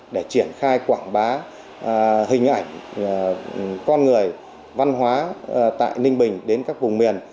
để triển khai quảng bá hình ảnh con người văn hóa tại ninh bình đến các vùng miền